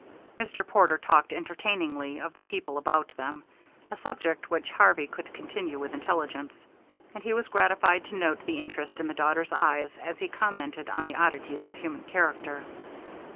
Mr. Porter talked entertainingly of the people about them, a subject which Harvey could continue with intelligence; and he was gratified to note the interest in the daughter's eyes as he commented on the oddities of human character.